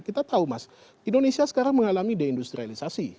kita tahu mas indonesia sekarang mengalami deindustrialisasi